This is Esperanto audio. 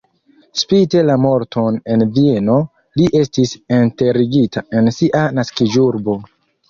Spite la morton en Vieno li estis enterigita en sia naskiĝurbo.